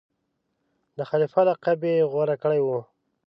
د خلیفه لقب یې غوره کړی وو.